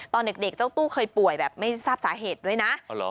ตอนเด็กเจ้าตู้เคยป่วยแบบไม่ทราบสาเหตุด้วยนะ